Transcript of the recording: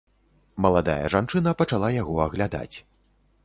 Маладая жанчына пачала яго аглядаць.